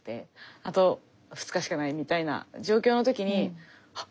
あと２日しかないみたいな状況の時にはっ！